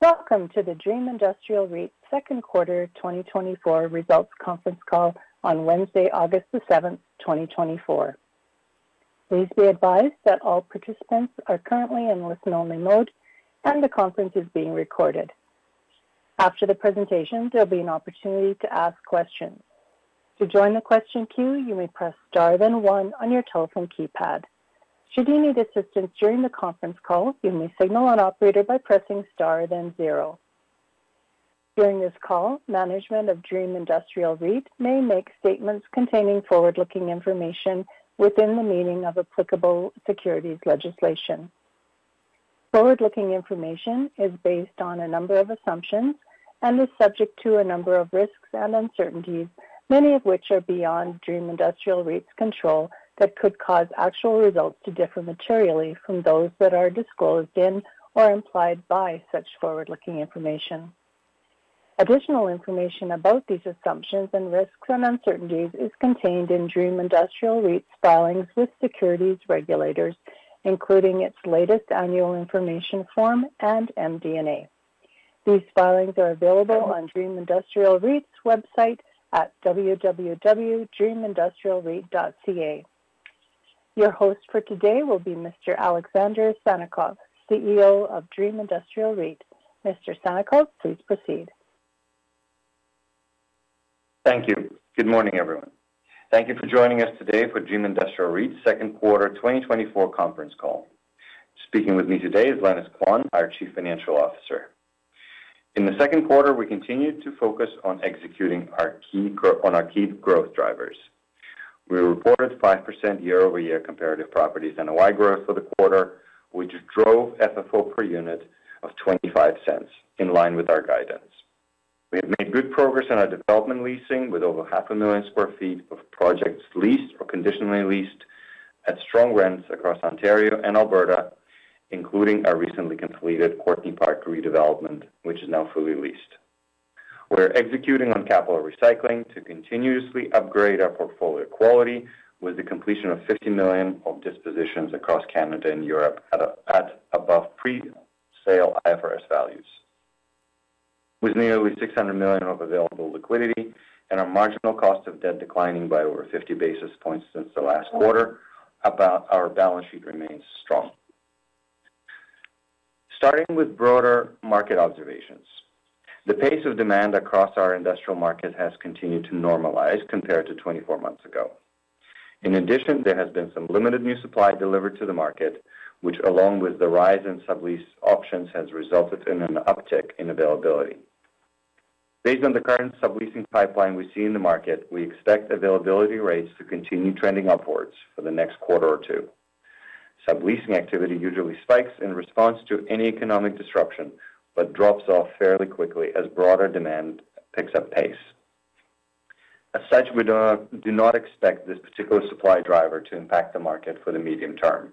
Welcome to the Dream Industrial REIT second quarter 2024 results conference call on Wednesday, August 7, 2024. Please be advised that all participants are currently in listen-only mode, and the conference is being recorded. After the presentation, there'll be an opportunity to ask questions. To join the question queue, you may press Star, then 1 on your telephone keypad. Should you need assistance during the conference call, you may signal an operator by pressing Star, then 0. During this call, management of Dream Industrial REIT may make statements containing forward-looking information within the meaning of applicable securities legislation. Forward-looking information is based on a number of assumptions and is subject to a number of risks and uncertainties, many of which are beyond Dream Industrial REIT's control, that could cause actual results to differ materially from those that are disclosed in or implied by such forward-looking information. Additional information about these assumptions and risks and uncertainties is contained in Dream Industrial REIT's filings with securities regulators, including its latest annual information form and MD&A. These filings are available on Dream Industrial REIT's website at www.dreamindustrialreit.ca. Your host for today will be Mr. Alexander Sannikov, CEO of Dream Industrial REIT. Mr. Sannikov, please proceed. Thank you. Good morning, everyone. Thank you for joining us today for Dream Industrial REIT's second quarter 2024 conference call. Speaking with me today is Lenis Quan, our Chief Financial Officer. In the second quarter, we continued to focus on executing our key growth drivers. We reported 5% year-over-year comparative properties NOI growth for the quarter, which drove FFO per unit of 0.25, in line with our guidance. We have made good progress in our development leasing, with over 500,000 sq ft of projects leased or conditionally leased at strong rents across Ontario and Alberta, including our recently completed Courtney Park redevelopment, which is now fully leased. We're executing on capital recycling to continuously upgrade our portfolio quality, with the completion of 50 million of dispositions across Canada and Europe at above pre-sale IFRS values. With nearly 600 million of available liquidity and our marginal cost of debt declining by over 50 basis points since the last quarter, about our balance sheet remains strong. Starting with broader market observations. The pace of demand across our industrial market has continued to normalize compared to 24 months ago. In addition, there has been some limited new supply delivered to the market, which, along with the rise in sublease options, has resulted in an uptick in availability. Based on the current subleasing pipeline we see in the market, we expect availability rates to continue trending upwards for the next quarter or two. Subleasing activity usually spikes in response to any economic disruption, but drops off fairly quickly as broader demand picks up pace. As such, we do not, do not expect this particular supply driver to impact the market for the medium term.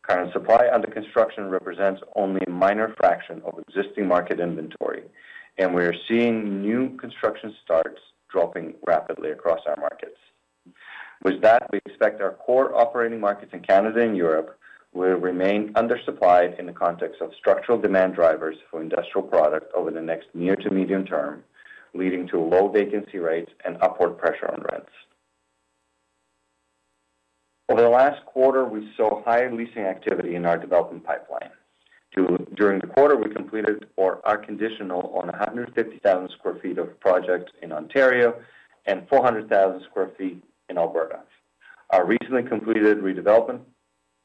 Current supply under construction represents only a minor fraction of existing market inventory, and we are seeing new construction starts dropping rapidly across our markets. With that, we expect our core operating markets in Canada and Europe will remain undersupplied in the context of structural demand drivers for industrial product over the next near to medium term, leading to low vacancy rates and upward pressure on rents. Over the last quarter, we saw high leasing activity in our development pipeline. During the quarter, we completed or are conditional on 150,000 sq ft of project in Ontario and 400,000 sq ft in Alberta. Our recently completed redevelopment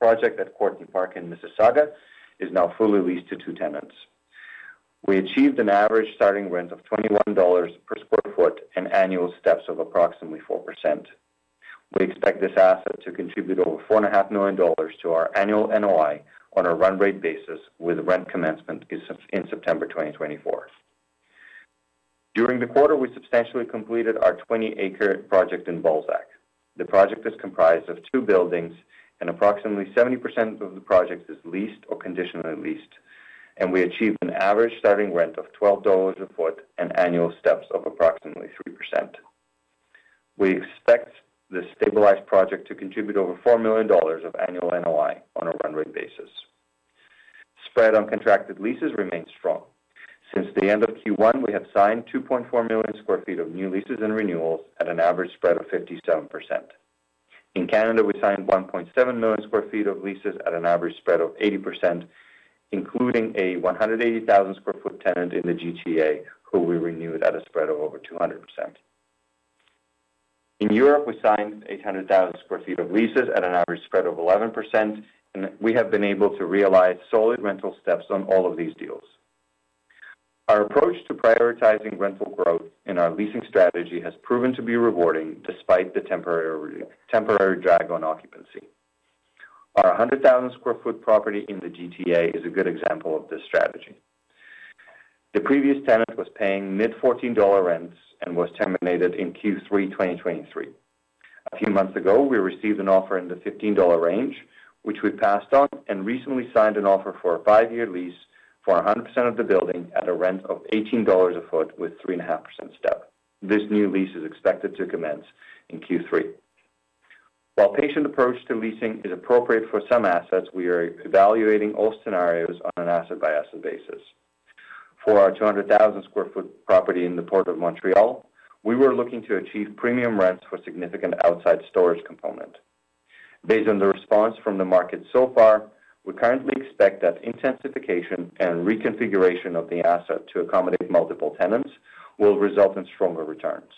project at Courtney Park in Mississauga is now fully leased to two tenants. We achieved an average starting rent of 21 dollars per sq ft and annual steps of approximately 4%. We expect this asset to contribute over 4.5 million dollars to our annual NOI on a run rate basis, with rent commencement in September 2024. During the quarter, we substantially completed our 20-acre project in Balzac. The project is comprised of two buildings, and approximately 70% of the project is leased or conditionally leased, and we achieved an average starting rent of 12 dollars a foot and annual steps of approximately 3%. We expect this stabilized project to contribute over 4 million dollars of annual NOI on a run rate basis. Spread on contracted leases remains strong. Since the end of Q1, we have signed 2.4 million sq ft of new leases and renewals at an average spread of 57%. In Canada, we signed 1.7 million sq ft of leases at an average spread of 80%, including a 180,000 sq ft tenant in the GTA, who we renewed at a spread of over 200%. In Europe, we signed 800,000 sq ft of leases at an average spread of 11%, and we have been able to realize solid rental steps on all of these deals. Our approach to prioritizing rental growth in our leasing strategy has proven to be rewarding despite the temporary, temporary drag on occupancy. Our 100,000 sq ft property in the GTA is a good example of this strategy. The previous tenant was paying mid-CAD 14 rents and was terminated in Q3 2023. A few months ago, we received an offer in the 15 dollar range, which we passed on and recently signed an offer for a five-year lease for 100% of the building at a rent of 18 dollars a foot with 3.5% step. This new lease is expected to commence in Q3.... While patient approach to leasing is appropriate for some assets, we are evaluating all scenarios on an asset-by-asset basis. For our 200,000 sq ft property in the Port of Montreal, we were looking to achieve premium rents for significant outside storage component. Based on the response from the market so far, we currently expect that intensification and reconfiguration of the asset to accommodate multiple tenants will result in stronger returns.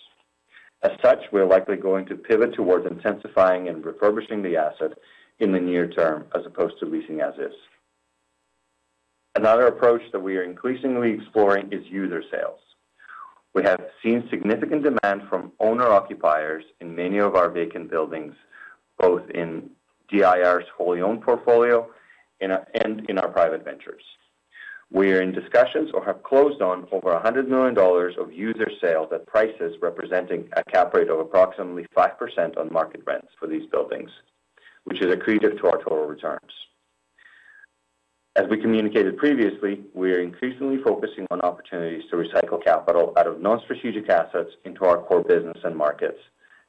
As such, we are likely going to pivot towards intensifying and refurbishing the asset in the near term as opposed to leasing as is. Another approach that we are increasingly exploring is user sales. We have seen significant demand from owner-occupiers in many of our vacant buildings, both in DIR's wholly owned portfolio and in our private ventures. We are in discussions or have closed on over 100 million dollars of user sales at prices representing a cap rate of approximately 5% on market rents for these buildings, which is accretive to our total returns. As we communicated previously, we are increasingly focusing on opportunities to recycle capital out of non-strategic assets into our core business and markets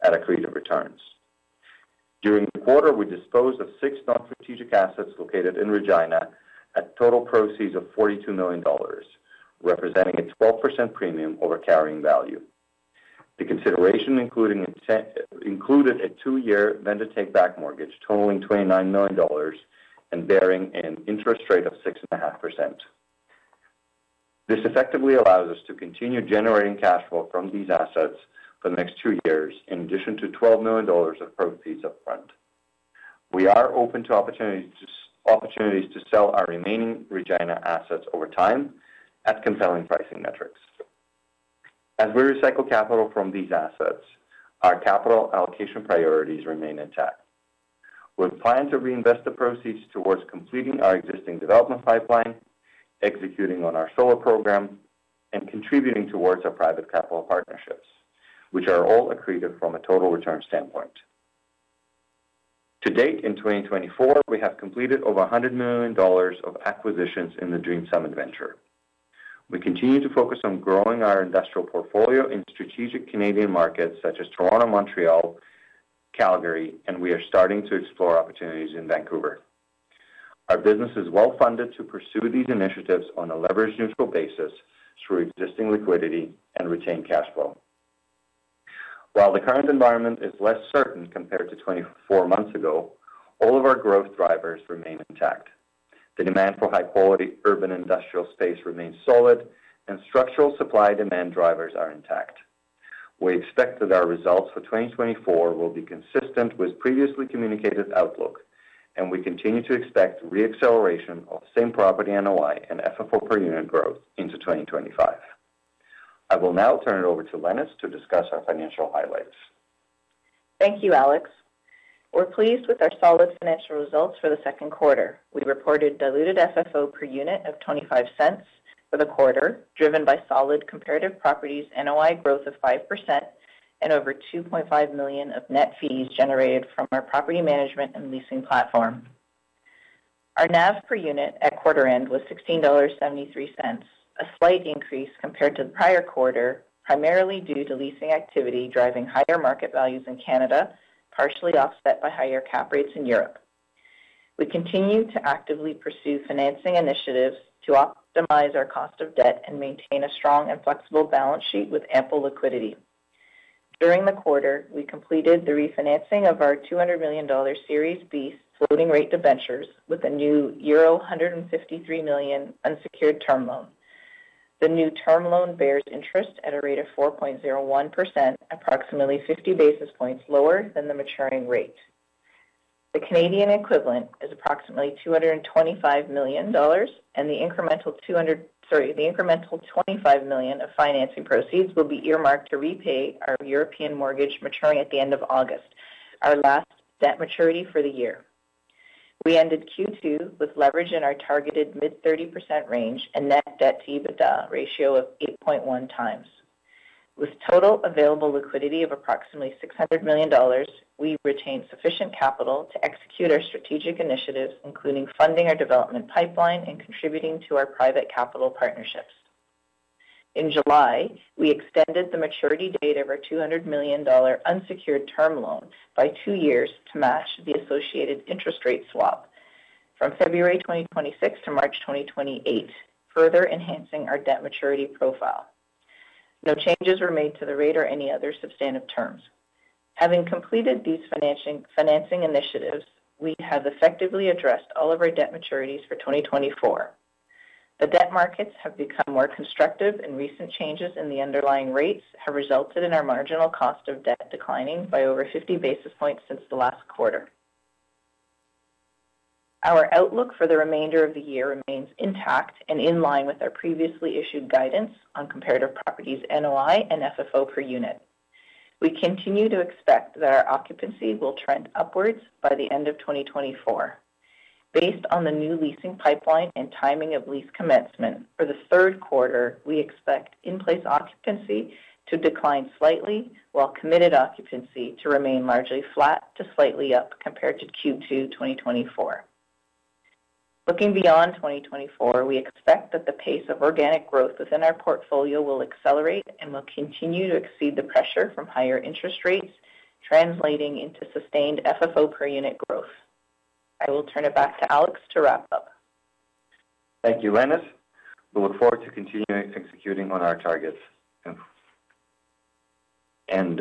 at accretive returns. During the quarter, we disposed of six non-strategic assets located in Regina at total proceeds of 42 million dollars, representing a 12% premium over carrying value. The consideration included a 2-year Vendor Take Back Mortgage totaling 29 million dollars and bearing an interest rate of 6.5%. This effectively allows us to continue generating cash flow from these assets for the next 2 years, in addition to 12 million dollars of proceeds upfront. We are open to opportunities, opportunities to sell our remaining Regina assets over time at compelling pricing metrics. As we recycle capital from these assets, our capital allocation priorities remain intact. We plan to reinvest the proceeds towards completing our existing development pipeline, executing on our solar program, and contributing towards our private capital partnerships, which are all accretive from a total return standpoint. To date, in 2024, we have completed over 100 million dollars of acquisitions in the Dream Summit venture. We continue to focus on growing our industrial portfolio in strategic Canadian markets, such as Toronto, Montreal, Calgary, and we are starting to explore opportunities in Vancouver. Our business is well-funded to pursue these initiatives on a leverage-neutral basis through existing liquidity and retain cash flow. While the current environment is less certain compared to 24 months ago, all of our growth drivers remain intact. The demand for high-quality urban industrial space remains solid, and structural supply-demand drivers are intact. We expect that our results for 2024 will be consistent with previously communicated outlook, and we continue to expect re-acceleration of same-property NOI and FFO per unit growth into 2025. I will now turn it over to Lenis to discuss our financial highlights. Thank you, Alex. We're pleased with our solid financial results for the second quarter. We reported diluted FFO per unit of 0.25 for the quarter, driven by solid comparative properties, NOI growth of 5% and over 2.5 million of net fees generated from our property management and leasing platform. Our NAV per unit at quarter end was 16.73 dollars, a slight increase compared to the prior quarter, primarily due to leasing activity, driving higher market values in Canada, partially offset by higher cap rates in Europe. We continue to actively pursue financing initiatives to optimize our cost of debt and maintain a strong and flexible balance sheet with ample liquidity. During the quarter, we completed the refinancing of our 200 million dollar Series B floating-rate debentures with a new euro 153 million unsecured term loan. The new term loan bears interest at a rate of 4.01%, approximately 50 basis points lower than the maturing rate. The Canadian equivalent is approximately 225 million dollars, and sorry, the incremental 25 million of financing proceeds will be earmarked to repay our European mortgage, maturing at the end of August, our last debt maturity for the year. We ended Q2 with leverage in our targeted mid-30% range and net debt to EBITDA ratio of 8.1x. With total available liquidity of approximately 600 million dollars, we retained sufficient capital to execute our strategic initiatives, including funding our development pipeline and contributing to our private capital partnerships. In July, we extended the maturity date of our 200 million dollar unsecured term loan by two years to match the associated interest rate swap from February 2026 to March 2028, further enhancing our debt maturity profile. No changes were made to the rate or any other substantive terms. Having completed these financing initiatives, we have effectively addressed all of our debt maturities for 2024. The debt markets have become more constructive, and recent changes in the underlying rates have resulted in our marginal cost of debt declining by over 50 basis points since the last quarter. Our outlook for the remainder of the year remains intact and in line with our previously issued guidance on comparative properties, NOI, and FFO per unit. We continue to expect that our occupancy will trend upwards by the end of 2024. Based on the new leasing pipeline and timing of lease commencement, for the third quarter, we expect in-place occupancy to decline slightly, while committed occupancy to remain largely flat to slightly up compared to Q2 2024. Looking beyond 2024, we expect that the pace of organic growth within our portfolio will accelerate and will continue to exceed the pressure from higher interest rates, translating into sustained FFO per unit growth. I will turn it back to Alex to wrap up. Thank you, Lenis. We look forward to continuing executing on our targets and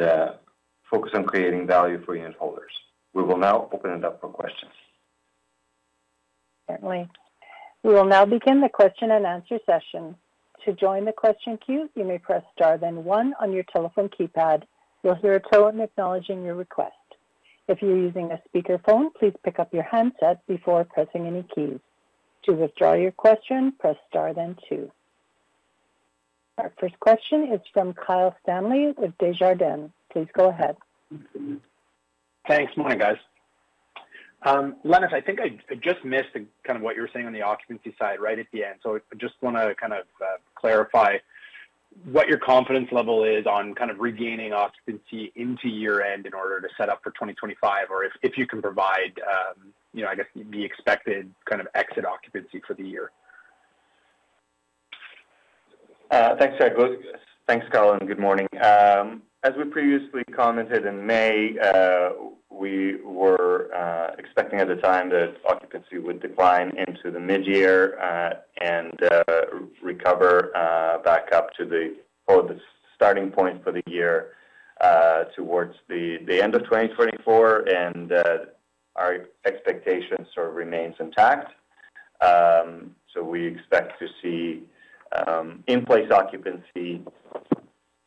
focus on creating value for unitholders. We will now open it up for questions. Certainly. We will now begin the question and answer session. To join the question queue, you may press Star, then One on your telephone keypad. You'll hear a tone acknowledging your request. If you're using a speakerphone, please pick up your handset before pressing any keys. To withdraw your question, press Star then Two. Our first question is from Kyle Stanley with Desjardins. Please go ahead. Thanks. Morning, guys. Lenis, I think I just missed kind of what you were saying on the occupancy side right at the end. So I just want to kind of clarify what your confidence level is on kind of regaining occupancy into year-end in order to set up for 2025, or if you can provide, you know, I guess, the expected kind of exit occupancy for the year. Thanks, Kyle. Thanks, Kyle, and good morning. As we previously commented in May, we were expecting at the time that occupancy would decline into the mid-year, and recover back up to the, well, the starting point for the year, towards the end of 2024, and our expectations sort of remains intact. So we expect to see in-place occupancy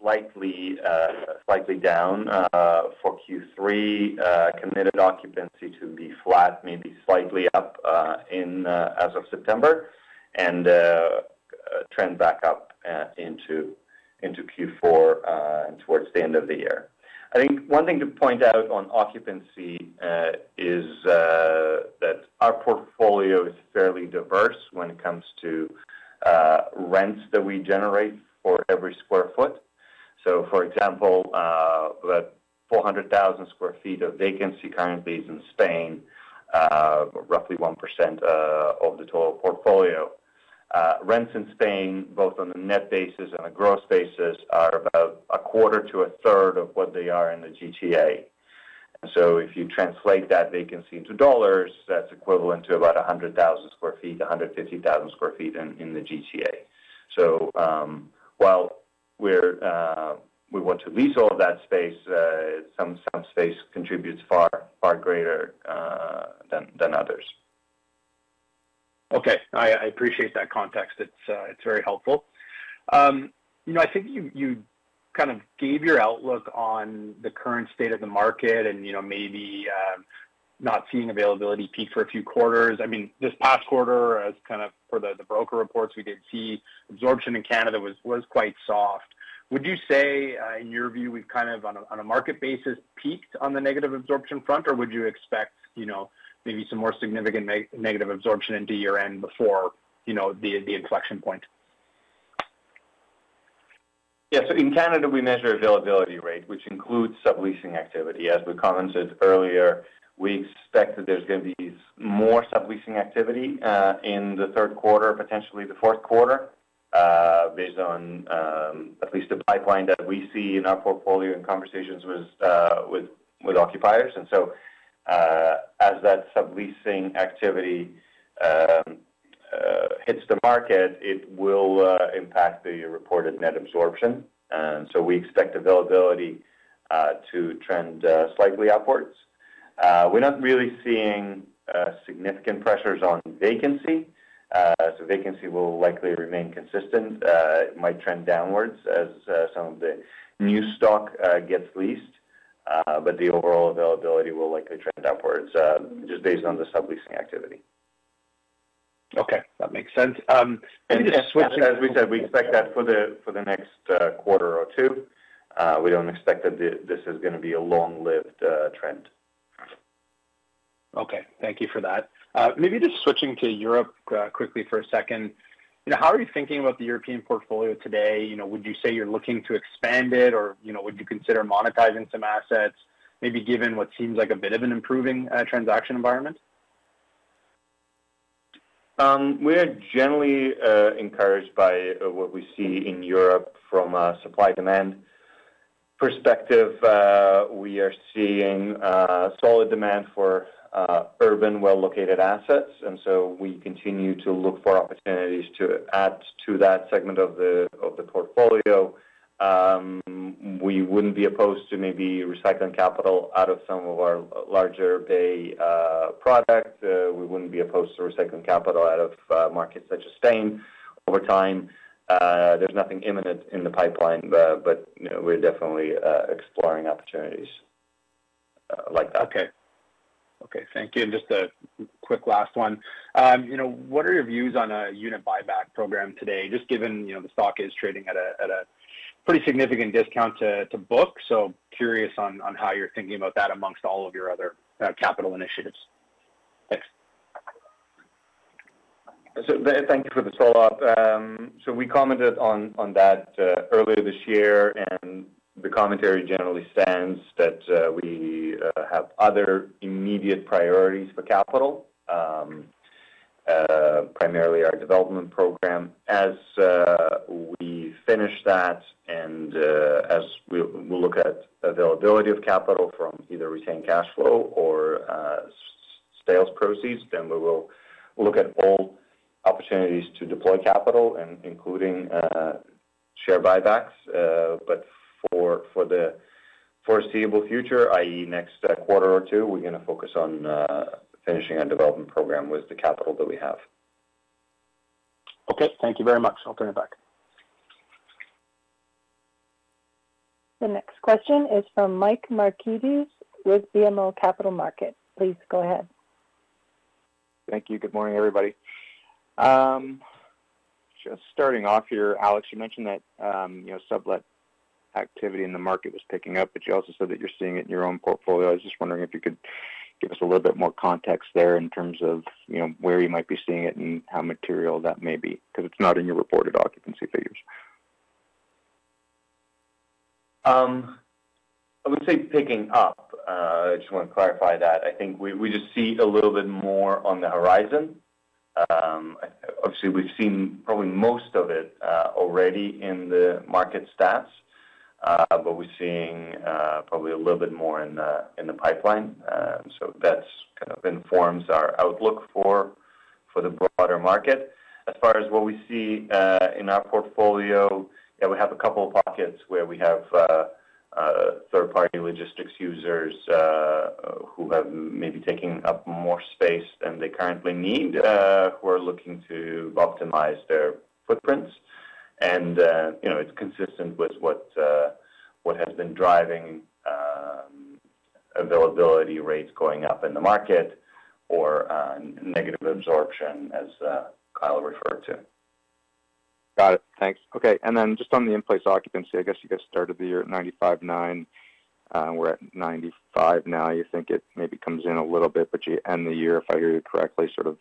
slightly slightly down for Q3, committed occupancy to be flat, maybe slightly up, in as of September, and trend back up into Q4, and towards the end of the year. I think one thing to point out on occupancy is that our portfolio is fairly diverse when it comes to rents that we generate for every square foot. So, for example, about 400,000 sq ft of vacancy currently is in Spain, roughly 1%, of the total portfolio. Rents in Spain, both on a net basis and a gross basis, are about a quarter to a third of what they are in the GTA. And so if you translate that vacancy into dollars, that's equivalent to about 100,000 sq ft-150,000 sq ft in, in the GTA. So, while we're, we want to lease all of that space, some, some space contributes far, far greater, than, than others. Okay. I appreciate that context. It's very helpful. You know, I think you kind of gave your outlook on the current state of the market and, you know, maybe not seeing availability peak for a few quarters. I mean, this past quarter, as kind of per the broker reports, we did see absorption in Canada was quite soft. Would you say, in your view, we've kind of, on a market basis, peaked on the negative absorption front? Or would you expect, you know, maybe some more significant negative absorption into year-end before, you know, the inflection point? Yeah. So in Canada, we measure availability rate, which includes subleasing activity. As we commented earlier, we expect that there's going to be more subleasing activity in the third quarter, potentially the fourth quarter, based on at least the pipeline that we see in our portfolio and conversations with with with occupiers. And so as that subleasing activity hits the market, it will impact the reported net absorption. And so we expect availability to trend slightly upwards. We're not really seeing significant pressures on vacancy. So vacancy will likely remain consistent. It might trend downwards as some of the new stock gets leased. But the overall availability will likely trend downwards just based on the subleasing activity. Okay, that makes sense. Maybe just switching- As we said, we expect that for the, for the next quarter or two. We don't expect that the, this is gonna be a long-lived trend. Okay. Thank you for that. Maybe just switching to Europe quickly for a second. You know, how are you thinking about the European portfolio today? You know, would you say you're looking to expand it, or, you know, would you consider monetizing some assets, maybe given what seems like a bit of an improving transaction environment? We are generally encouraged by what we see in Europe from a supply-demand perspective. We are seeing solid demand for urban, well-located assets, and so we continue to look for opportunities to add to that segment of the portfolio. We wouldn't be opposed to maybe recycling capital out of some of our larger bay product. We wouldn't be opposed to recycling capital out of markets such as Spain over time. There's nothing imminent in the pipeline, but you know, we're definitely exploring opportunities like that. Okay. Okay, thank you. Just a quick last one. You know, what are your views on a unit buyback program today? Just given, you know, the stock is trading at a pretty significant discount to book, so curious on how you're thinking about that amongst all of your other capital initiatives. Thanks.... So thank you for the follow-up. So we commented on, on that, earlier this year, and the commentary generally stands that, we have other immediate priorities for capital. Primarily our development program. As we finish that and, as we look at availability of capital from either retained cash flow or, sales proceeds, then we will look at all opportunities to deploy capital and including, share buybacks. But for, for the foreseeable future, i.e., next quarter or two, we're gonna focus on, finishing our development program with the capital that we have. Okay, thank you very much. I'll turn it back. The next question is from Mike Markidis with BMO Capital Markets. Please go ahead. Thank you. Good morning, everybody. Just starting off here, Alex, you mentioned that, you know, sublet activity in the market was picking up, but you also said that you're seeing it in your own portfolio. I was just wondering if you could give us a little bit more context there in terms of, you know, where you might be seeing it and how material that may be, because it's not in your reported occupancy figures. I would say picking up. I just want to clarify that. I think we just see a little bit more on the horizon. Obviously, we've seen probably most of it already in the market stats, but we're seeing probably a little bit more in the pipeline. So that's kind of informs our outlook for the broader market. As far as what we see in our portfolio, yeah, we have a couple of pockets where we have third-party logistics users who have maybe taking up more space than they currently need, who are looking to optimize their footprints. And you know, it's consistent with what has been driving availability rates going up in the market or negative absorption, as Kyle referred to. Got it. Thanks. Okay, and then just on the in-place occupancy, I guess, you guys started the year at 95.9%, we're at 95% now. You think it maybe comes in a little bit, but you end the year, if I hear you correctly, sort of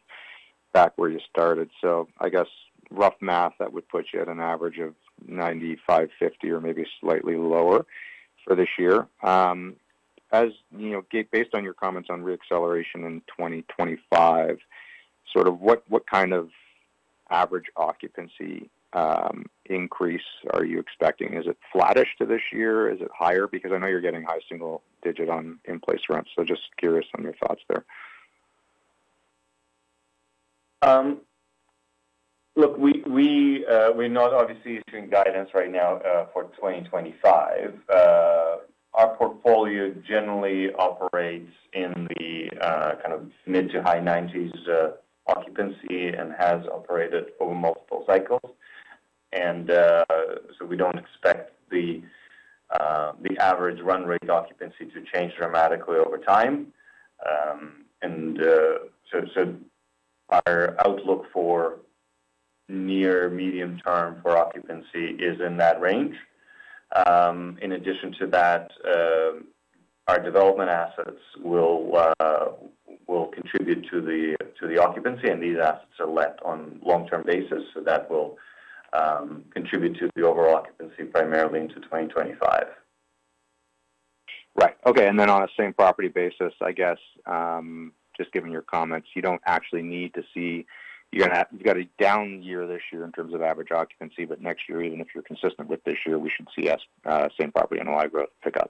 back where you started. So I guess, rough math, that would put you at an average of 95.5% or maybe slightly lower for this year. As you know, based on your comments on reacceleration in 2025, sort of what, what kind of average occupancy increase are you expecting? Is it flattish to this year? Is it higher? Because I know you're getting high single digit on in-place rents. So just curious on your thoughts there. Look, we're not obviously issuing guidance right now for 2025. Our portfolio generally operates in the kind of mid- to high-90s occupancy and has operated over multiple cycles. So we don't expect the average run rate occupancy to change dramatically over time. Our outlook for near- to medium-term for occupancy is in that range. In addition to that, our development assets will contribute to the occupancy, and these assets are let on long-term basis, so that will contribute to the overall occupancy, primarily into 2025. Right. Okay, and then on a same property basis, I guess, just given your comments, you don't actually need to see... You're gonna have—you've got a down year this year in terms of average occupancy, but next year, even if you're consistent with this year, we should see same property NOI growth pick up.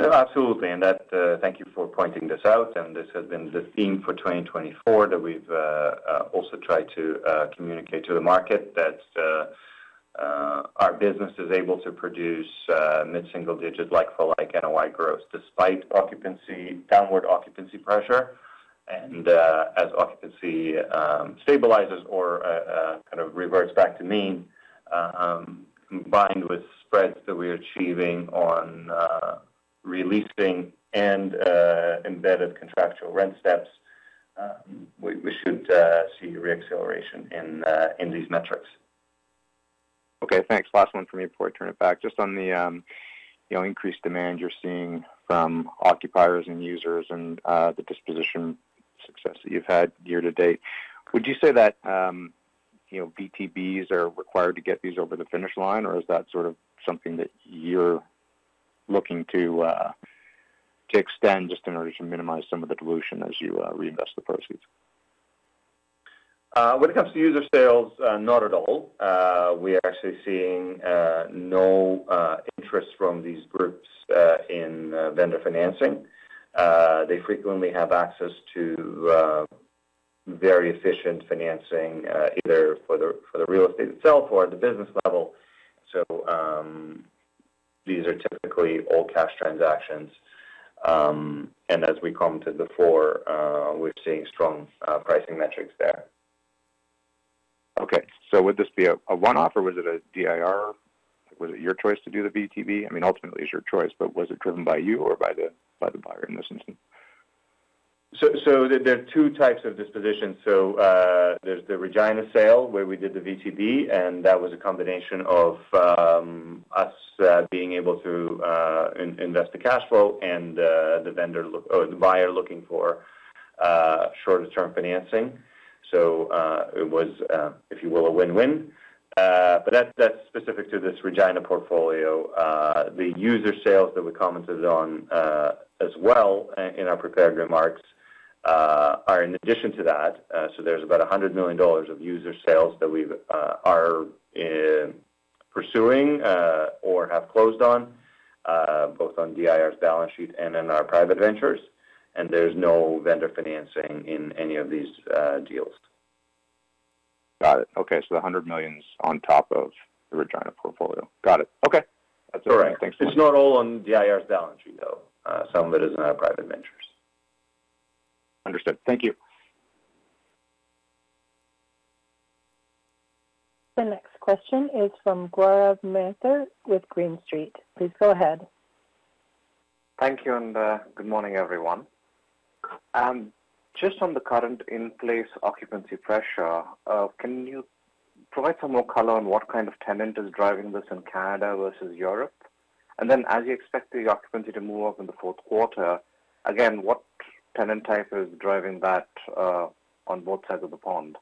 Absolutely. And that, thank you for pointing this out, and this has been the theme for 2024, that we've also tried to communicate to the market, that our business is able to produce mid-single digit like for like NOI growth, despite downward occupancy pressure. And, as occupancy stabilizes or kind of reverts back to mean, combined with spreads that we're achieving on re-leasing and embedded contractual rent steps, we should see reacceleration in these metrics. Okay, thanks. Last one for me before I turn it back. Just on the, you know, increased demand you're seeing from occupiers and users and, the disposition success that you've had year to date. Would you say that, you know, VTBs are required to get these over the finish line? Or is that sort of something that you're looking to, to extend just in order to minimize some of the dilution as you, reinvest the proceeds? When it comes to user sales, not at all. We are actually seeing no interest from these groups in vendor financing. They frequently have access to very efficient financing, either for the real estate itself or at the business level. So, these are typically all cash transactions. And as we commented before, we're seeing strong pricing metrics there. Okay. So would this be a one-off or was it a DIR? Was it your choice to do the VTB? I mean, ultimately, it's your choice, but was it driven by you or by the buyer in this instance? There are two types of dispositions. There's the Regina sale, where we did the VTB, and that was a combination of us being able to invest the cash flow and the buyer looking for shorter-term financing. So it was, if you will, a win-win. But that's specific to this Regina portfolio. The user sales that we commented on, as well in our prepared remarks, are in addition to that. So there's about 100 million dollars of user sales that we are pursuing or have closed on, both on DIR's balance sheet and in our private ventures, and there's no vendor financing in any of these deals. Got it. Okay, so the 100 million's on top of the Regina portfolio. Got it. Okay, that's all. Thanks so much. It's not all on DIR's balance sheet, though. Some of it is in our private ventures. Understood. Thank you. The next question is from Gaurav Mathur with Green Street. Please go ahead. Thank you, and good morning, everyone. Just on the current in-place occupancy pressure, can you provide some more color on what kind of tenant is driving this in Canada versus Europe? And then, as you expect the occupancy to move up in the fourth quarter, again, what tenant type is driving that, on both sides of the pond?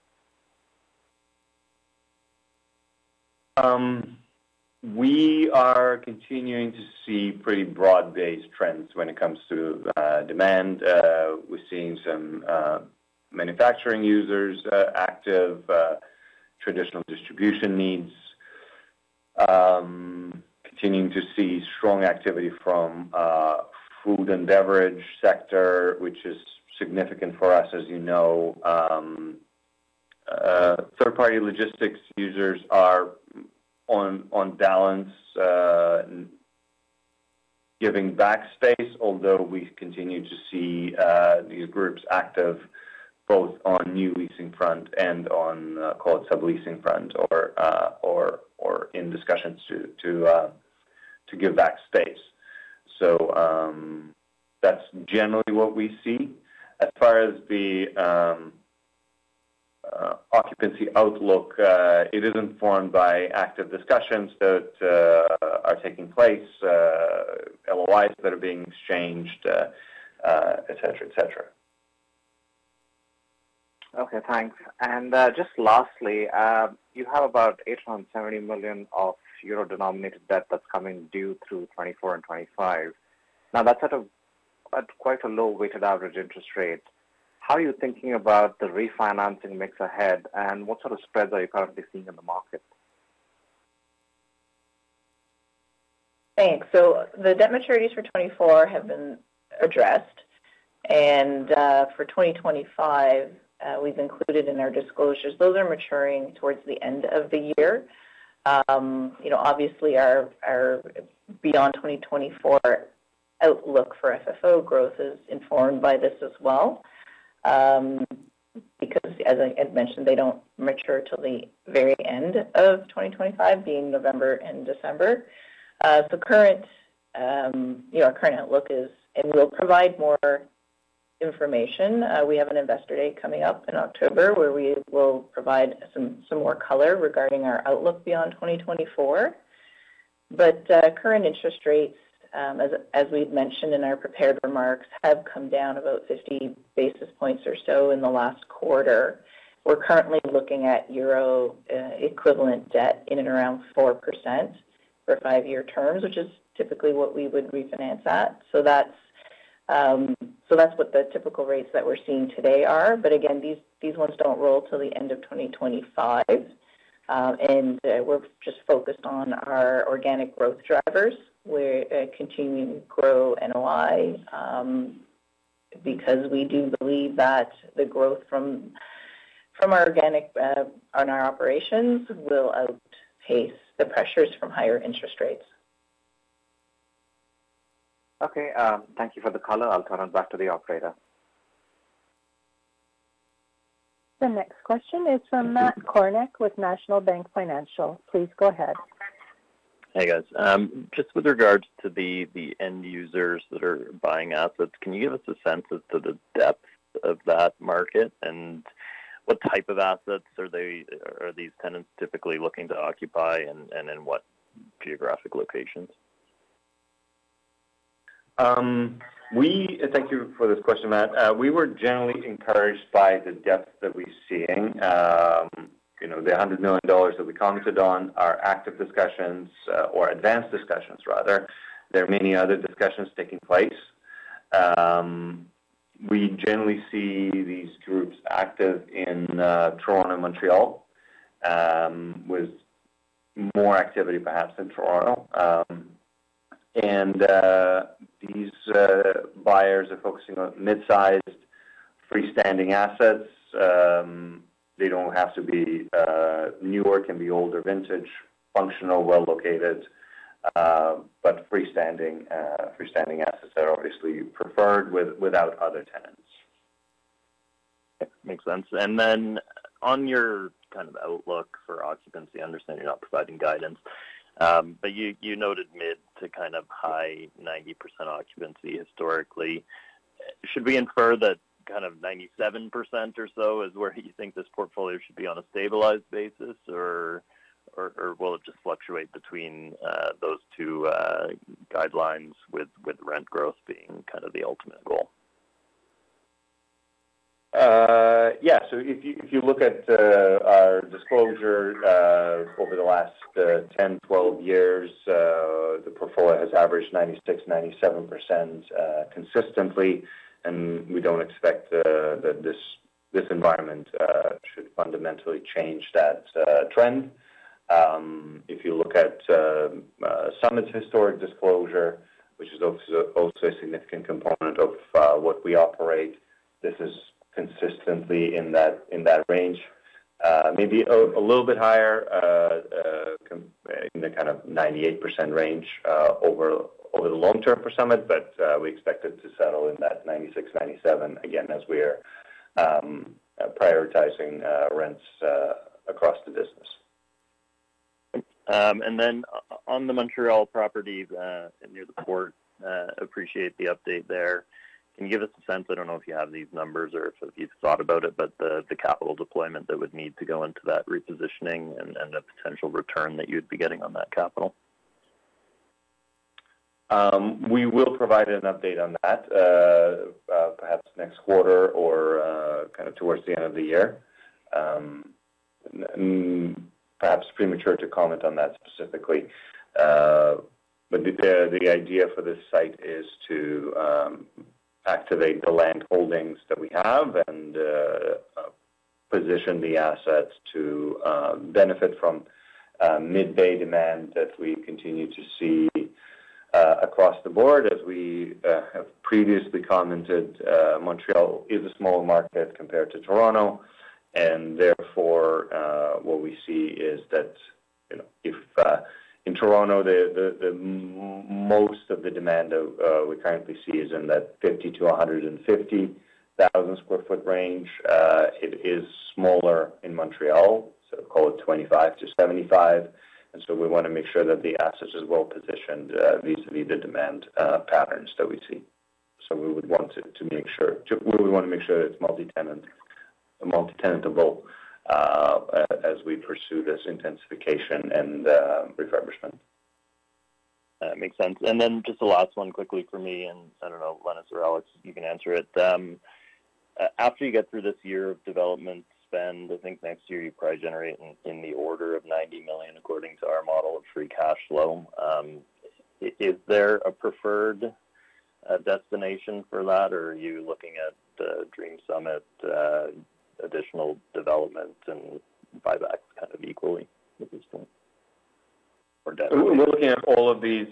We are continuing to see pretty broad-based trends when it comes to demand. We're seeing some manufacturing users active, traditional distribution needs. Continuing to see strong activity from food and beverage sector, which is significant for us, as you know. Third-party logistics users are on, on balance, giving back space, although we continue to see these groups active both on new leasing front and on, call it, subleasing front or in discussions to, to give back space. So, that's generally what we see. As far as the occupancy outlook, it is informed by active discussions that are taking place, LOIs that are being exchanged, et cetera, et cetera. Okay, thanks. And, just lastly, you have about 870 million of euro-denominated debt that's coming due through 2024 and 2025. Now, that's at a quite low weighted average interest rate. How are you thinking about the refinancing mix ahead, and what sort of spreads are you currently seeing in the market? Thanks. So the debt maturities for 2024 have been addressed, and for 2025, we've included in our disclosures. Those are maturing towards the end of the year. You know, obviously, our beyond 2024 outlook for FFO growth is informed by this as well, because as I had mentioned, they don't mature till the very end of 2025, being November and December. Our current outlook is, and we'll provide more information. We have an investor date coming up in October, where we will provide some more color regarding our outlook beyond 2024. But current interest rates, as we've mentioned in our prepared remarks, have come down about 50 basis points or so in the last quarter. We're currently looking at euro equivalent debt in and around 4% for five-year terms, which is typically what we would refinance at. So that's... So that's what the typical rates that we're seeing today are. But again, these ones don't roll till the end of 2025. And we're just focused on our organic growth drivers. We're continuing to grow NOI, because we do believe that the growth from our organic and our operations will outpace the pressures from higher interest rates. Okay. Thank you for the color. I'll turn it back to the operator. The next question is from Matt Kornack with National Bank Financial. Please go ahead. Hey, guys. Just with regards to the end users that are buying assets, can you give us a sense as to the depth of that market, and what type of assets are they, are these tenants typically looking to occupy, and in what geographic locations? Thank you for this question, Matt. We were generally encouraged by the depth that we're seeing. You know, the 100 million dollars that we commented on are active discussions, or advanced discussions, rather. There are many other discussions taking place. We generally see these groups active in Toronto and Montreal, with more activity, perhaps in Toronto. And these buyers are focusing on mid-sized, freestanding assets. They don't have to be new or can be older, vintage, functional, well-located, but freestanding assets are obviously preferred without other tenants. Makes sense. And then on your kind of outlook for occupancy, I understand you're not providing guidance... But you, you noted mid- to kind of high 90% occupancy historically. Should we infer that kind of 97% or so is where you think this portfolio should be on a stabilized basis, or, or, or will it just fluctuate between those two guidelines with, with rent growth being kind of the ultimate goal? Yeah. So if you look at our disclosure over the last 10, 12 years, the portfolio has averaged 96%-97% consistently, and we don't expect that this environment should fundamentally change that trend. If you look at Summit's historic disclosure, which is also a significant component of what we operate, this is consistently in that range. Maybe a little bit higher in the kind of 98% range over the long term for Summit, but we expect it to settle in that 96%-97%, again, as we are prioritizing rents across the business. And then on the Montreal property near the port, appreciate the update there. Can you give us a sense, I don't know if you have these numbers or if you've thought about it, but the capital deployment that would need to go into that repositioning and the potential return that you'd be getting on that capital? We will provide an update on that, perhaps next quarter or, kind of towards the end of the year. Perhaps premature to comment on that specifically. But the idea for this site is to activate the land holdings that we have and position the assets to benefit from mid-bay demand that we continue to see across the board. As we have previously commented, Montreal is a small market compared to Toronto, and therefore, what we see is that, you know, if in Toronto, most of the demand we currently see is in that 50-150,000 sq ft range. It is smaller in Montreal, so call it 25-75,000 sq ft. And so we want to make sure that the asset is well positioned vis-à-vis the demand patterns that we see. So we would want to make sure it's multi-tenant, multi-tenantable, as we pursue this intensification and refurbishment. That makes sense. Then just the last one quickly for me, and I don't know, Lenis or Alex, you can answer it. After you get through this year of development spend, I think next year you probably generate in the order of 90 million, according to our model of free cash flow. Is there a preferred destination for that, or are you looking at Dream Summit, additional development and buybacks kind of equally at this point, or- We're looking at all of these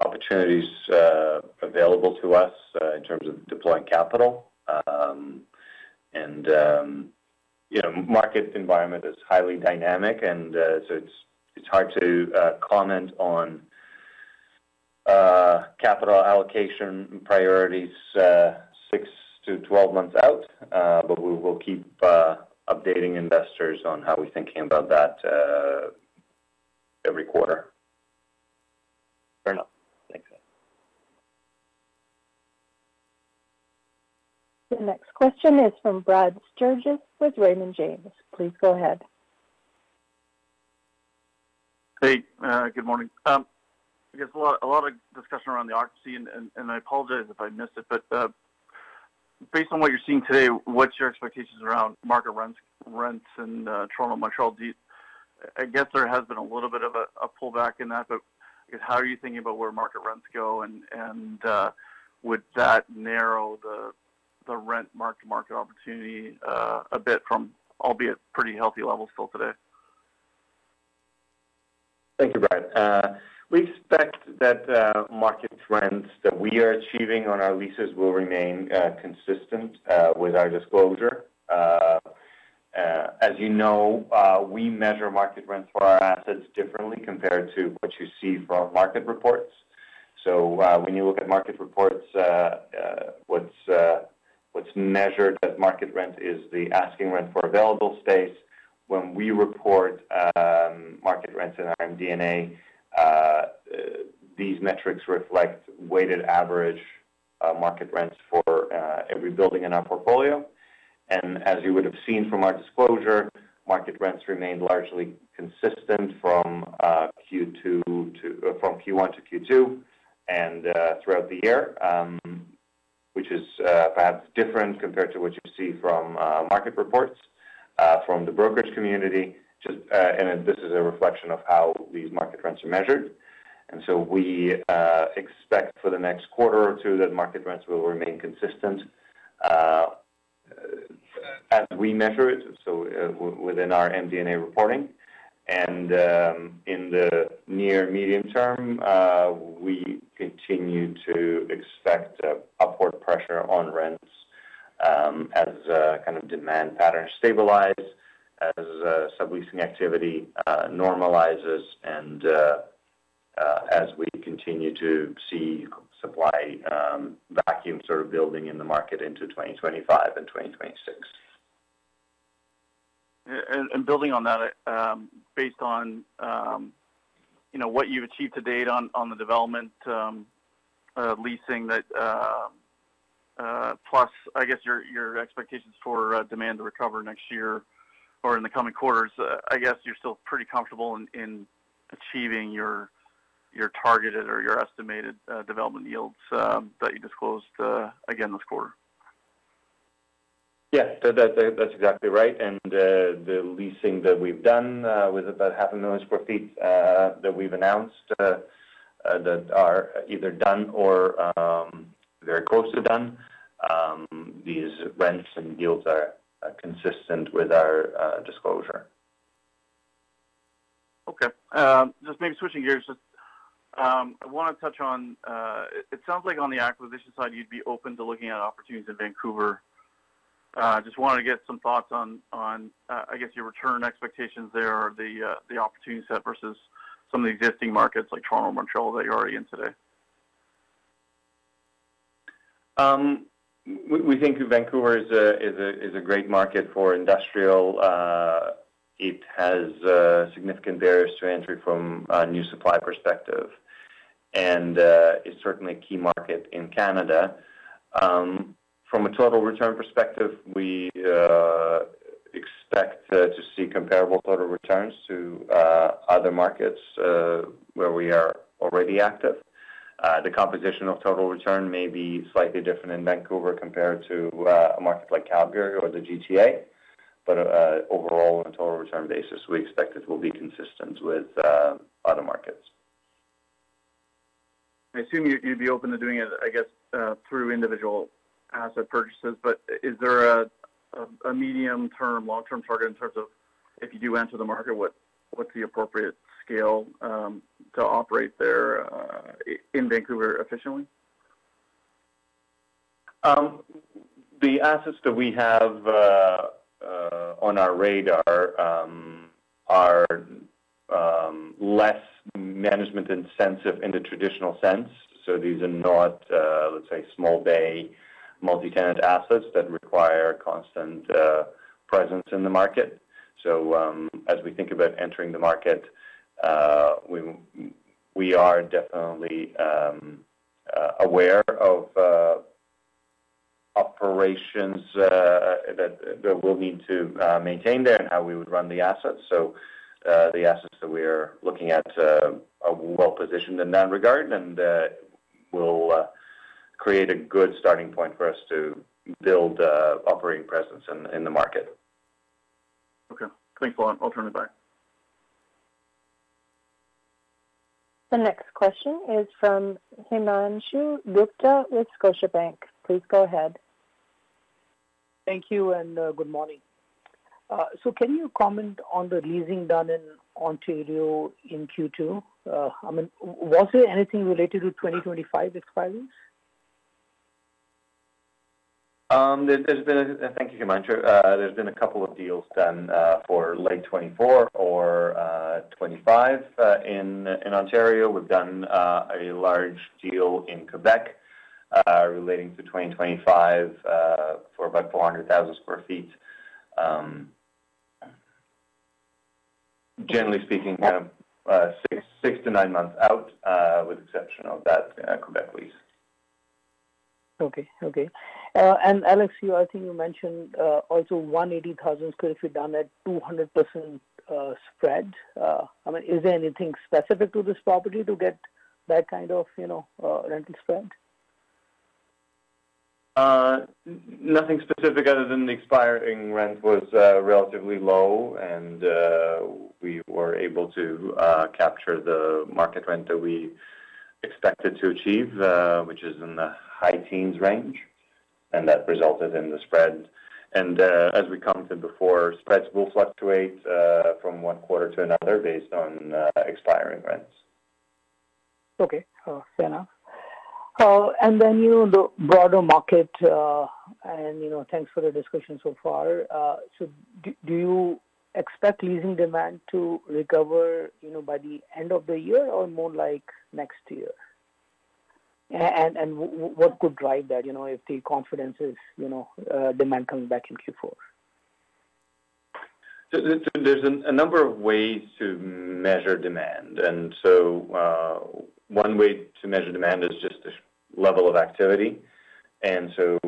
opportunities available to us in terms of deploying capital. You know, market environment is highly dynamic, so it's hard to comment on capital allocation priorities 6-12 months out. But we will keep updating investors on how we're thinking about that every quarter. Fair enough. Thanks. The next question is from Brad Sturges with Raymond James. Please go ahead. Hey, good morning. I guess a lot, a lot of discussion around the occupancy, and, and I apologize if I missed it, but, based on what you're seeing today, what's your expectations around market rents, rents in Toronto, Montreal? I guess there has been a little bit of a pullback in that, but how are you thinking about where market rents go, and would that narrow the rent mark-to-market opportunity a bit from, albeit pretty healthy levels still today? Thank you, Brad. We expect that market rents that we are achieving on our leases will remain consistent with our disclosure. As you know, we measure market rents for our assets differently compared to what you see from market reports. So, when you look at market reports, what's measured as market rent is the asking rent for available space. When we report market rents in our MD&A, these metrics reflect weighted average market rents for every building in our portfolio. And as you would have seen from our disclosure, market rents remained largely consistent from Q1 to Q2 and throughout the year, which is perhaps different compared to what you see from market reports from the brokerage community. Just, and this is a reflection of how these market rents are measured. And so we, expect for the next quarter or 2, that market rents will remain consistent, as we measure it, so within our MD&A reporting. And, in the near medium term, we continue to expect, upward pressure on rents, as, kind of demand patterns stabilize, as, subleasing activity, normalizes, and, as we continue to see supply, vacuum sort of building in the market into 2025 and 2026. Yeah, and building on that, based on, you know, what you've achieved to date on the development, leasing that, plus, I guess, your expectations for demand to recover next year or in the coming quarters. I guess you're still pretty comfortable in achieving your targeted or your estimated development yields that you disclosed again this quarter? Yes, that's exactly right. And the leasing that we've done with about 500,000 sq ft that we've announced that are either done or very close to done. These rents and yields are consistent with our disclosure. Okay. Just maybe switching gears, just, I want to touch on it sounds like on the acquisition side, you'd be open to looking at opportunities in Vancouver. I just wanted to get some thoughts on, on, I guess, your return expectations there, the, the opportunity set versus some of the existing markets like Toronto, Montreal, that you're already in today. We think Vancouver is a great market for industrial. It has significant barriers to entry from a new supply perspective, and it's certainly a key market in Canada. From a total return perspective, we expect to see comparable total returns to other markets where we are already active. The composition of total return may be slightly different in Vancouver compared to a market like Calgary or the GTA. But overall, on a total return basis, we expect it will be consistent with other markets. I assume you'd, you'd be open to doing it, I guess, through individual asset purchases. But is there a medium-term, long-term target in terms of if you do enter the market, what's the appropriate scale, to operate there, in Vancouver efficiently? The assets that we have on our radar are less management intensive in the traditional sense. So these are not, let's say, small bay multitenant assets that require constant presence in the market. So, as we think about entering the market, we are definitely aware of operations that we'll need to maintain there and how we would run the assets. So, the assets that we are looking at are well positioned in that regard and will create a good starting point for us to build operating presence in the market. Okay. Thanks a lot. I'll turn it back. The next question is from Himanshu Gupta with Scotiabank. Please go ahead. Thank you, and good morning. Can you comment on the leasing done in Ontario in Q2? I mean, was there anything related to 2025 expiries? Thank you, Himanshu. There's been a couple of deals done for late 2024 or 2025. In Ontario, we've done a large deal in Quebec relating to 2025 for about 400,000 sq ft. Generally speaking, 6-9 months out with exception of that Quebec lease. Okay. Okay. And Alex, you, I think you mentioned also 180,000 sq ft done at 200% spread. I mean, is there anything specific to this property to get that kind of, you know, rental spread? Nothing specific other than the expiring rent was relatively low, and we were able to capture the market rent that we expected to achieve, which is in the high teens range, and that resulted in the spread. And as we commented before, spreads will fluctuate from one quarter to another based on expiring rents. Okay. Fair enough. And then, you know, the broader market, and, you know, thanks for the discussion so far. So do you expect leasing demand to recover, you know, by the end of the year or more like next year? What could drive that, you know, if the confidence is, you know, demand coming back in Q4? So there's a number of ways to measure demand. One way to measure demand is just the level of activity, and so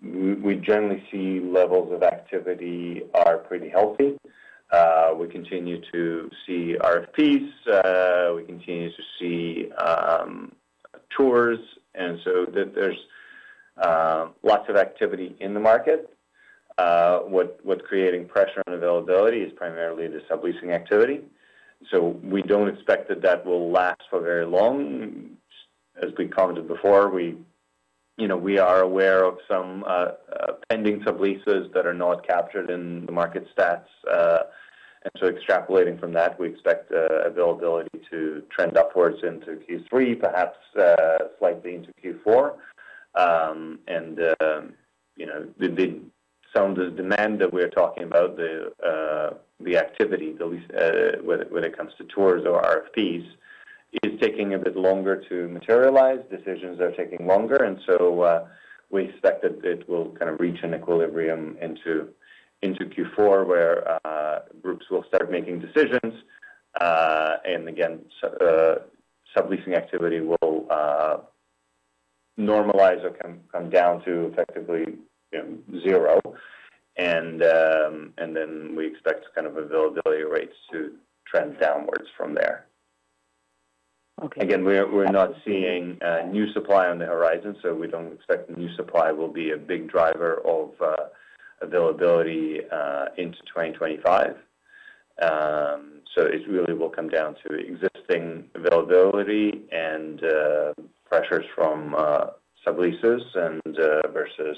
we generally see levels of activity are pretty healthy. We continue to see RFPs. We continue to see tours, and so there's lots of activity in the market. What's creating pressure on availability is primarily the subleasing activity, so we don't expect that to last for very long. As we commented before, you know, we are aware of some pending subleases that are not captured in the market stats. Extrapolating from that, we expect availability to trend upwards into Q3, perhaps slightly into Q4.... You know, some of the demand that we're talking about, the activity, the leasing, when it comes to tours or RFPs, is taking a bit longer to materialize. Decisions are taking longer, and so we expect that it will kind of reach an equilibrium into Q4, where groups will start making decisions. And again, subleasing activity will normalize or come down to effectively, you know, zero. And then we expect kind of availability rates to trend downwards from there. Okay. Again, we're not seeing new supply on the horizon, so we don't expect new supply will be a big driver of availability into 2025. So it really will come down to existing availability and pressures from subleases and versus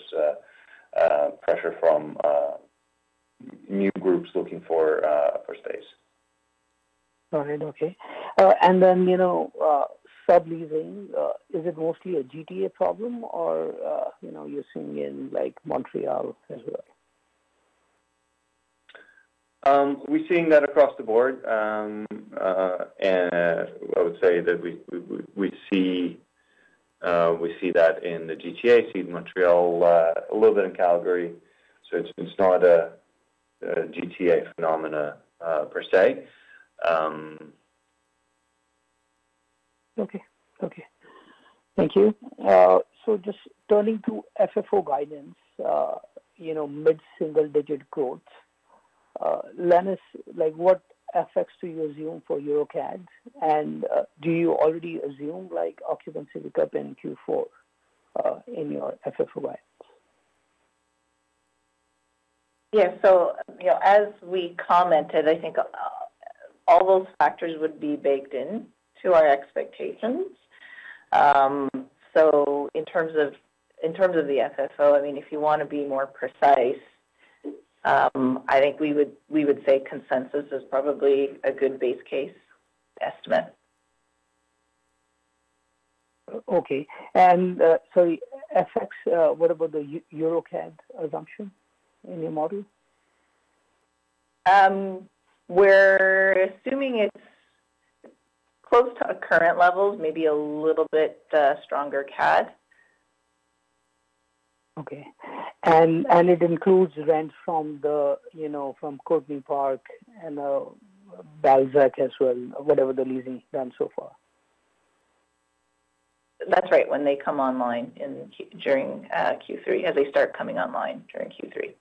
pressure from new groups looking for space. All right. Okay. And then, you know, subleasing, is it mostly a GTA problem or, you know, you're seeing in, like, Montreal as well? We're seeing that across the board. And I would say that we see that in the GTA, see it in Montreal, a little bit in Calgary. So it's not a GTA phenomena, per se. Okay. Okay. Thank you. So just turning to FFO guidance, you know, mid-single-digit growth. Lenis, like, what effects do you assume for Euro CAD? And, do you already assume, like, occupancy pick up in Q4, in your FFO guidance? Yeah. So, you know, as we commented, I think, all those factors would be baked in to our expectations. So in terms of the FFO, I mean, if you want to be more precise, I think we would say consensus is probably a good base case estimate. Okay. Sorry, FX, what about the euro CAD assumption in your model? We're assuming it's close to our current levels, maybe a little bit, stronger CAD. Okay. And it includes rent from the, you know, from Courtney Park and Balzac as well, whatever the leasing done so far. That's right. When they come online in Q3 during Q3, as they start coming online during Q3.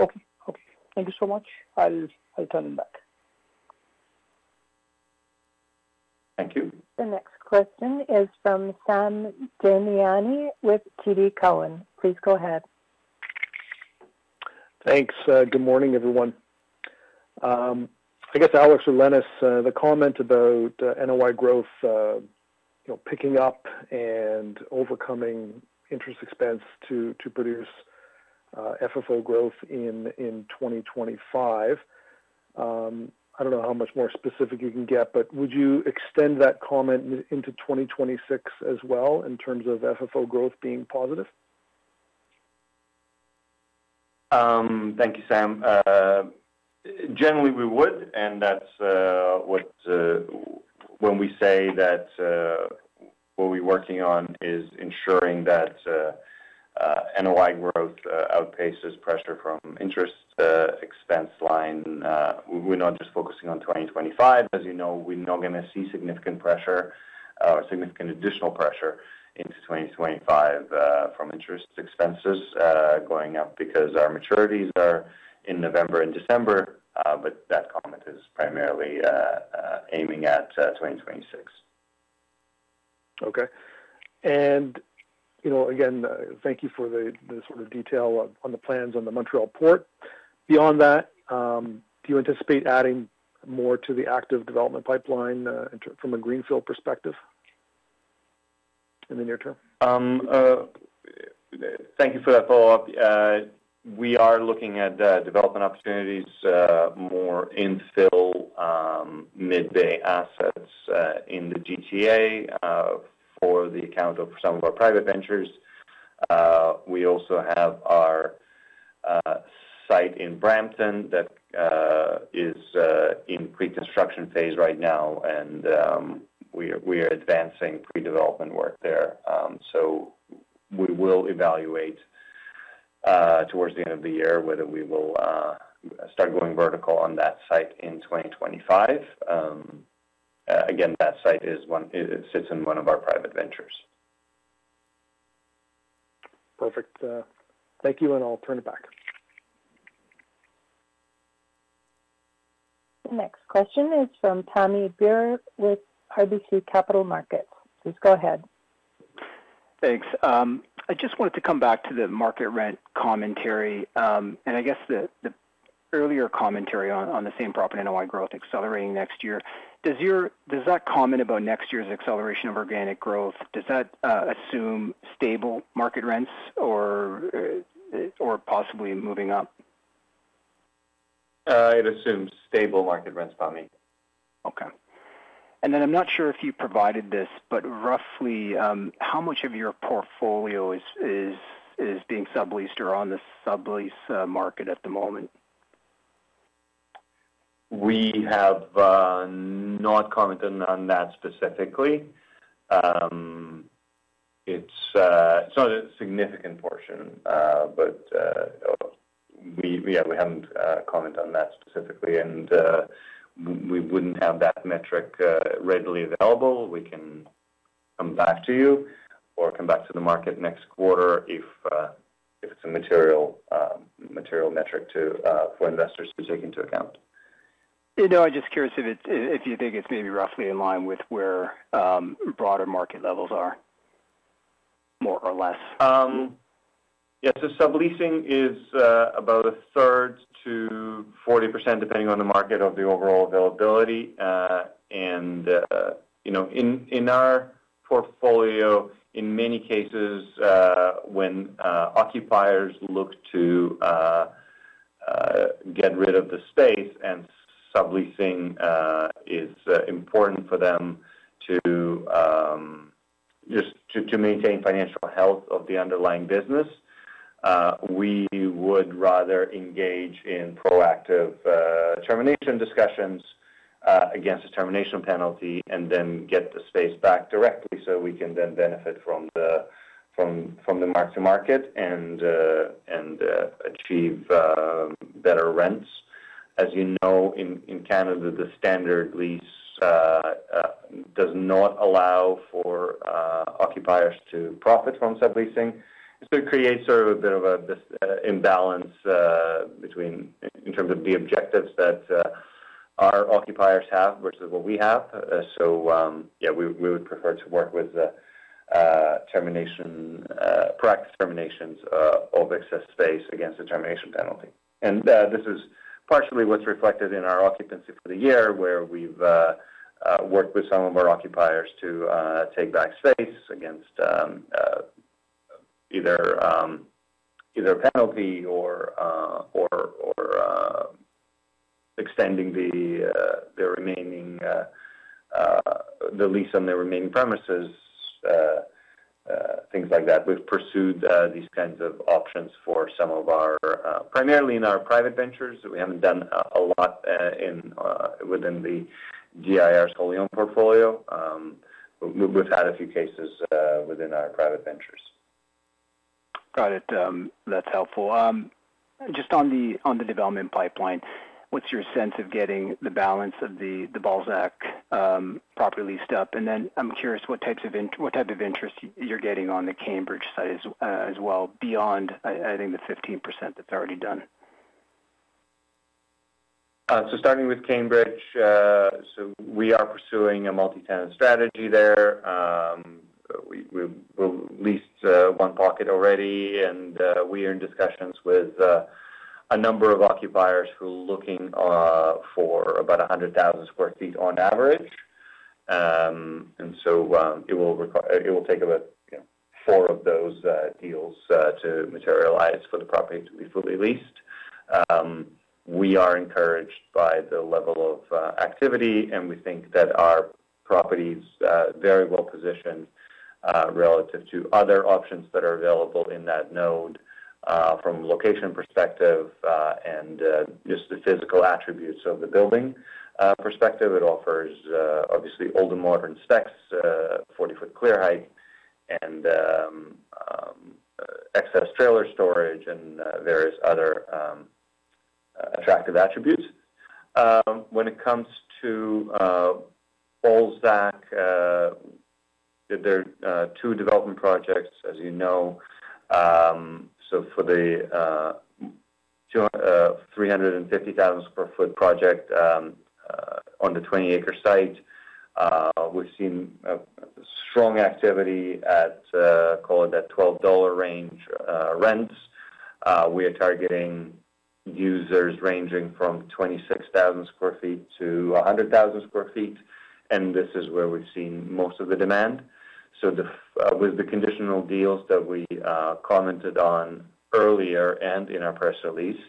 Okay. Okay. Thank you so much. I'll, I'll turn it back. Thank you. The next question is from Sam Damiani with TD Cowen. Please go ahead. Thanks. Good morning, everyone. I guess, Alex or Lenis, the comment about NOI growth, you know, picking up and overcoming interest expense to produce, FFO growth in 2025. I don't know how much more specific you can get, but would you extend that comment into 2026 as well, in terms of FFO growth being positive? Thank you, Sam. Generally, we would, and that's what, when we say that, what we're working on is ensuring that NOI growth outpaces pressure from interest expense line. We're not just focusing on 2025. As you know, we're not going to see significant pressure, significant additional pressure into 2025 from interest expenses going up because our maturities are in November and December. But that comment is primarily aiming at 2026. Okay. And, you know, again, thank you for the sort of detail on the plans on the Port of Montreal. Beyond that, do you anticipate adding more to the active development pipeline, from a greenfield perspective in the near term? Thank you for that follow-up. We are looking at development opportunities, more infill, mid-bay assets, in the GTA, for the account of some of our private ventures. We also have our site in Brampton that is in preconstruction phase right now, and we are advancing predevelopment work there. So we will evaluate towards the end of the year whether we will start going vertical on that site in 2025. Again, that site is one. It sits in one of our private ventures. Perfect. Thank you, and I'll turn it back. The next question is from Pammi Bir with RBC Capital Markets. Please go ahead. Thanks. I just wanted to come back to the market rent commentary. And I guess the earlier commentary on the same property, NOI growth accelerating next year. Does that comment about next year's acceleration of organic growth assume stable market rents or possibly moving up?... it assumes stable market rents by me. Okay. And then I'm not sure if you provided this, but roughly, how much of your portfolio is being subleased or on the sublease market at the moment? We have not commented on that specifically. It's not a significant portion, but, yeah, we haven't commented on that specifically, and we wouldn't have that metric readily available. We can come back to you or come back to the market next quarter if it's a material metric for investors to take into account. You know, I'm just curious if you think it's maybe roughly in line with where broader market levels are, more or less? Yeah, so subleasing is about a third to 40%, depending on the market, of the overall availability. And, you know, in our portfolio, in many cases, when occupiers look to get rid of the space and subleasing is important for them to just to maintain financial health of the underlying business, we would rather engage in proactive termination discussions against a termination penalty and then get the space back directly so we can then benefit from the mark-to-market and achieve better rents. As you know, in Canada, the standard lease does not allow for occupiers to profit from subleasing. It creates sort of a bit of an imbalance between in terms of the objectives that our occupiers have versus what we have. So, yeah, we would prefer to work with termination practice terminations of excess space against the termination penalty. And this is partially what's reflected in our occupancy for the year, where we've worked with some of our occupiers to take back space against either a penalty or extending the remaining lease on the remaining premises, things like that. We've pursued these kinds of options for some of our primarily in our private ventures. We haven't done a lot within the GIR Scalium portfolio. We've had a few cases within our private ventures. Got it. That's helpful. Just on the, on the development pipeline, what's your sense of getting the balance of the, the Balzac, properly leased up? And then I'm curious, what type of interest you're getting on the Cambridge site as, as well, beyond, I think the 15% that's already done. So starting with Cambridge, so we are pursuing a multi-tenant strategy there. We’ve leased one pocket already, and we are in discussions with a number of occupiers who are looking for about 100,000 sq ft on average. It will take about, you know, four of those deals to materialize for the property to be fully leased. We are encouraged by the level of activity, and we think that our property is very well-positioned relative to other options that are available in that node from a location perspective, and just the physical attributes of the building perspective. It offers obviously ultra-modern specs, 40-foot clear height and excess trailer storage and various other attractive attributes. When it comes to Balzac, there are 2 development projects, as you know. So for the 350,000 sq ft project on the 20-acre site, we've seen strong activity at, call it, 12 dollar range rents. We are targeting users ranging from 26,000 sq ft to 100,000 sq ft, and this is where we've seen most of the demand. So with the conditional deals that we commented on earlier and in our press release,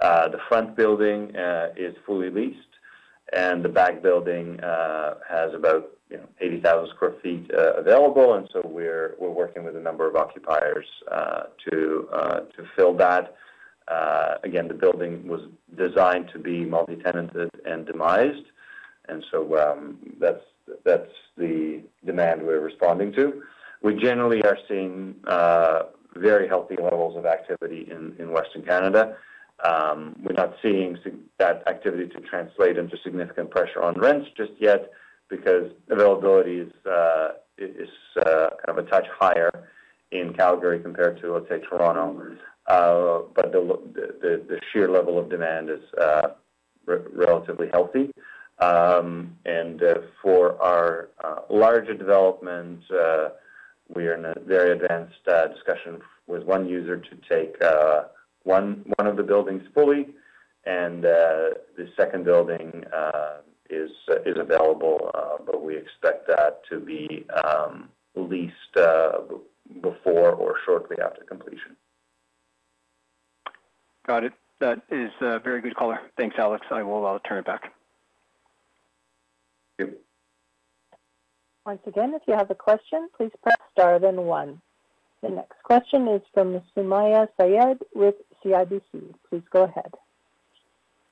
the front building is fully leased, and the back building has about, you know, 80,000 sq ft available, and so we're working with a number of occupiers to fill that. Again, the building was designed to be multi-tenanted and demised, and so, that's, that's the demand we're responding to. We generally are seeing very healthy levels of activity in Western Canada. We're not seeing that activity to translate into significant pressure on rents just yet, because availability is kind of a touch higher in Calgary compared to, let's say, Toronto. But the sheer level of demand is relatively healthy. And, for our larger developments, we are in a very advanced discussion with one user to take one of the buildings fully, and the second building is available, but we expect that to be leased before or shortly after completion. Got it. That is a very good color. Thanks, Alex. I will now turn it back. Thank you. Once again, if you have a question, please press star then 1. The next question is from Sumayya Syed with CIBC. Please go ahead.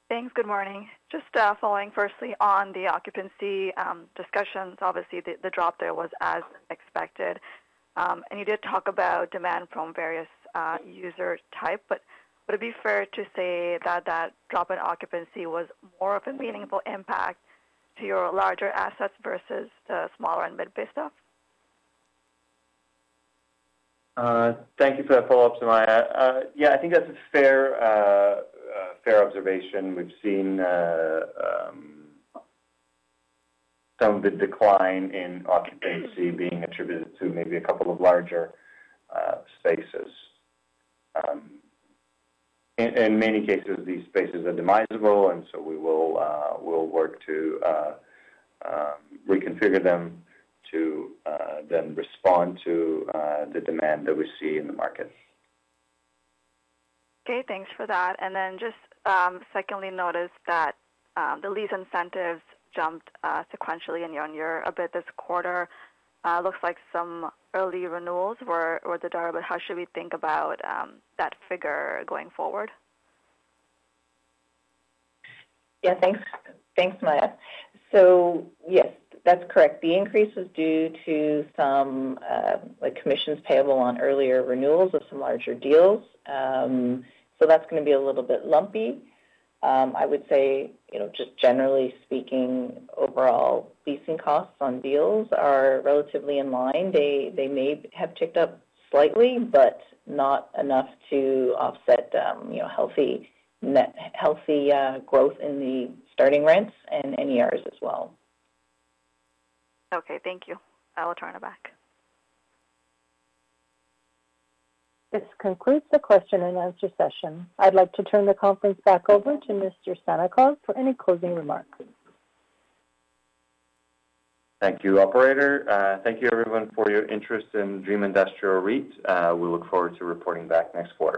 Thanks. Good morning. Just following firstly on the occupancy discussions. Obviously, the drop there was as expected. And you did talk about demand from various user type, but would it be fair to say that that drop in occupancy was more of a meaningful impact to your larger assets versus the smaller and mid-bay stuff? Thank you for that follow-up, Sumayya. Yeah, I think that's a fair observation. We've seen some of the decline in occupancy being attributed to maybe a couple of larger spaces. In many cases, these spaces are demisable, and so we'll work to reconfigure them to then respond to the demand that we see in the market. Okay, thanks for that. And then just, secondly, noticed that the lease incentives jumped sequentially in year-on-year a bit this quarter. Looks like some early renewals were, were the driver, but how should we think about that figure going forward? Yeah, thanks. Thanks, Sumayya. So yes, that's correct. The increase was due to some, like, commissions payable on earlier renewals of some larger deals. So that's going to be a little bit lumpy. I would say, you know, just generally speaking, overall, leasing costs on deals are relatively in line. They, they may have ticked up slightly, but not enough to offset, you know, healthy growth in the starting rents and NERs as well. Okay, thank you. I will turn it back. This concludes the question and answer session. I'd like to turn the conference back over to Mr. Sannikov for any closing remarks. Thank you, operator. Thank you, everyone, for your interest in Dream Industrial REIT. We look forward to reporting back next quarter.